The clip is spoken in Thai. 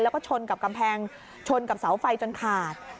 แล้วก็ชนกับกำแพงชนกับเสาไฟจนขาด